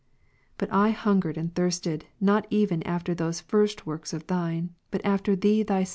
But I hungered and thirsted not even after those first works of Thine, but after Thee Thy Jam.